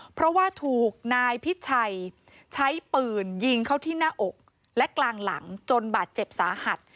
เพราะว่าถูกนายพิชัยใช้ปืนยิงเข้าที่หน้าอกและกลางหลังจนบาดเจ็บสาหัส